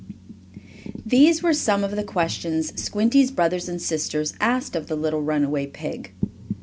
These were some of the questions Squinty's brothers and sisters asked of the little runaway pig.